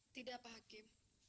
tidak pak hakim